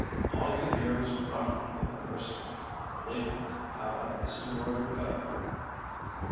All you could hear was grumbling and cursing. Believe me, I like this new order better."